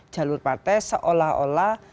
jalur partai seolah olah